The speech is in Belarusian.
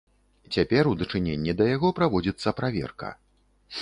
Цяпер у дачыненні да яго праводзіцца праверка.